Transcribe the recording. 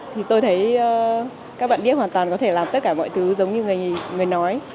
thì tôi thấy các bạn biết hoàn toàn có thể làm tất cả mọi thứ giống như người nói